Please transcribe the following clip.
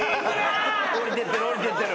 下りてってる下りてってる。